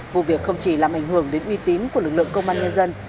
vụ việc không chỉ làm ảnh hưởng đến uy tín của lực lượng công an nhân dân